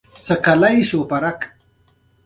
امیر کروړ د پښتو لومړی نرینه شاعر و .